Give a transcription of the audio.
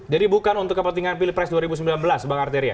jadi bukan untuk kepentingan pilpres dua ribu sembilan belas bang arteria